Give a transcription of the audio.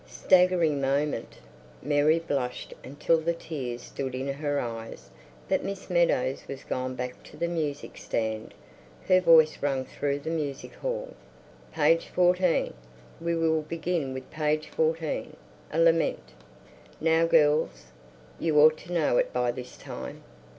Staggering moment! Mary blushed until the tears stood in her eyes, but Miss Meadows was gone back to the music stand; her voice rang through the music hall. "Page fourteen. We will begin with page fourteen. 'A Lament.' Now, girls, you ought to know it by this time.